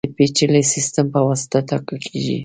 د پېچلي سیستم په واسطه ټاکل کېږي.